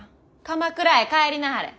鎌倉へ帰りなはれ。